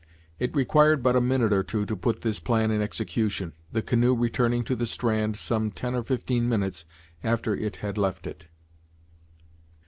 It required but a minute or two to put this plan in execution, the canoe returning to the strand some ten or fifteen minutes after it had left it.